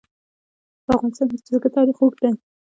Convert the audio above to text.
په افغانستان کې د جلګه تاریخ اوږد دی.